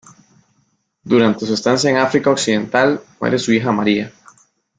Durante su estancia en África Occidental muere su hija María.